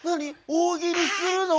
大喜利するの？